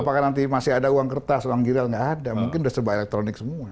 apakah nanti masih ada uang kertas uang giral nggak ada mungkin sudah serba elektronik semua